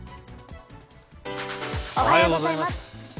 おはようございます。